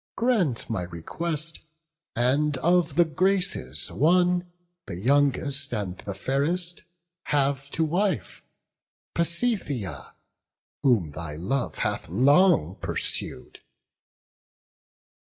Grant my request; and of the Graces one, The youngest and the fairest, have to wife, Pasithea, whom thy love hath long pursued."